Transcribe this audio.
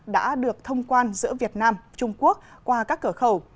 đã được thông quan giữa việt nam trung quốc qua các cửa khẩu